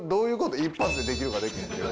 一発でできるかできへん。